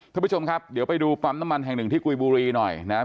ท่านผู้ชมครับเดี๋ยวไปดูปั๊มน้ำมันแห่งหนึ่งที่กุยบุรีหน่อยนะครับ